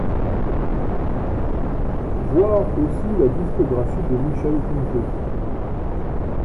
Voir aussi la discographie de Michel Conte.